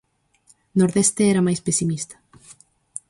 'Nordeste' era máis pesimista...